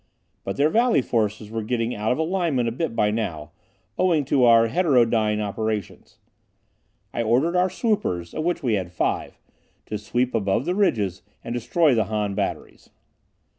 But their valley forces were getting out of alignment a bit by now, owing to our heterodyne operations. I ordered our swoopers, of which we had five, to sweep along above these ridges and destroy the Han batteries.